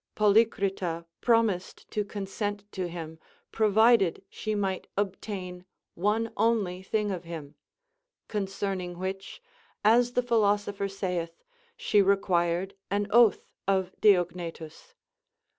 Polycrita promised to consent to him, provided she might obtain one only thing of him ; concerning which, as the philosopher saith, she required an oath of Diognetus.